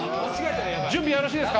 準備はよろしいですか？